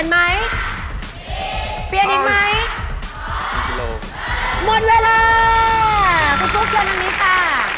หมดเวลาคุณปุ๊กเชิญตอนนี้ค่ะ